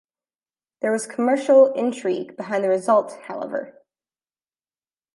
There was commercial intrigue behind the result, however.